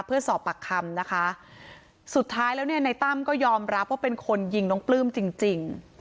เพื่อสอบปากคำนะคะสุดท้ายแล้วเนี่ยในตั้มก็ยอมรับว่าเป็นคนยิงน้องปลื้มจริงจริง